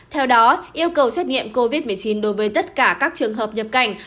theo đó yêu cầu xét nghiệm covid một mươi chín đối với tất cả các trường hợp nhập cảnh